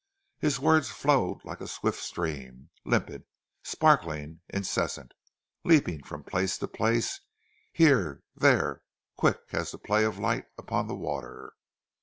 His words flowed like a swift stream, limpid, sparkling, incessant; leaping from place to place—here, there, quick as the play of light upon the water.